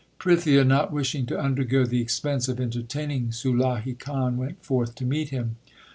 Prithia, not wishing to undergo the expense of entertaining Sulahi Khan, went forth to meet him.